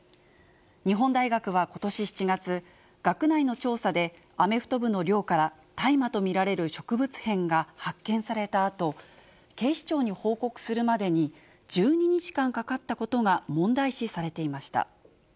日本大学はことし７月、学内の調査で、アメフト部の寮から大麻と見られる植物片が発見されたあと、警視庁に報告するまでに、１２日間かかったことが問題視されていました。